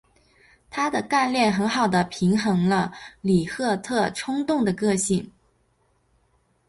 她的干练很好地平衡了里赫特冲动的个性。